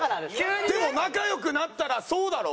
でも仲良くなったらそうだろ？